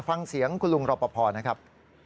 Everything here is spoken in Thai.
ฟังเสียงคุณลุงรอปภนะครับ